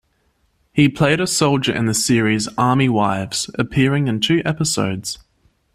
He played a soldier in the series "Army Wives", appearing in two episodes.